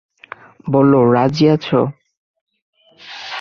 বলো, রাজি আছো?